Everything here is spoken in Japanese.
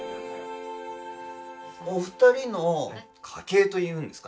お二人の家系というんですかね